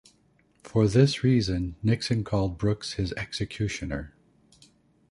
For this reason, Nixon called Brooks his executioner.